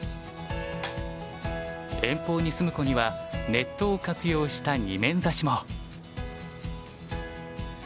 遠方に住む子にはネットを活用した２面指しも。